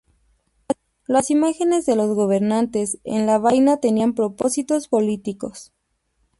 Las imágenes de los gobernantes en la vaina tenían propósitos políticos.